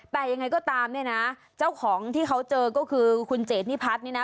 แต่ยังไงก็ตามเนี่ยนะเจ้าของที่เขาเจอก็คือคุณเจดนิพัฒน์เนี่ยนะ